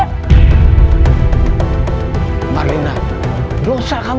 aku gak mau anakku dikuburin